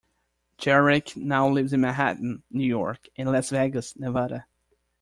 Jarecki now lives in Manhattan, New York and Las Vegas, Nevada.